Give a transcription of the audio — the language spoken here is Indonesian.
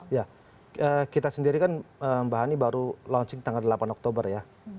iya kita sendiri kan mbah ani baru launching tanggal delapan oktober ya